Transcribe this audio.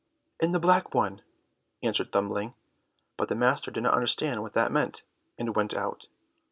"In the black one," answered Thumbling, but the master did not understand what that meant, and went out.